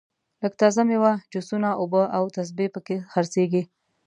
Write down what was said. لږه تازه میوه جوسونه اوبه او تسبې په کې خرڅېږي.